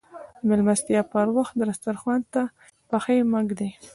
د ميلمستيا پر وخت دسترخوان ته پښې مه ږدئ.